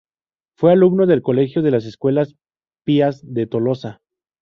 Fue alumno del colegio de las Escuelas Pías de Tolosa.